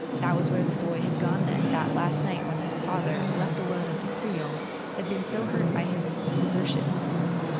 That was where the boy had gone then, that last night when his father, left alone at the Crillon, had been so hurt by his deser¬ tion